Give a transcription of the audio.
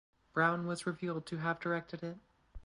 Brown was revealed to have directed it.